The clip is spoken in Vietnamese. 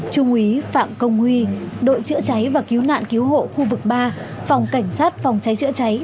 trung úy phạm công huy đội chữa cháy và cứu nạn cứu hộ khu vực ba phòng cảnh sát phòng cháy chữa cháy